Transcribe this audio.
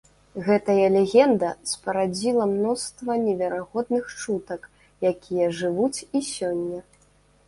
Гэтая легенда спарадзіла мноства неверагодных чутак, якія жывуць і сёння.